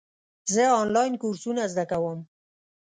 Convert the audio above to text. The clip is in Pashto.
زه آنلاین کورسونه زده کوم.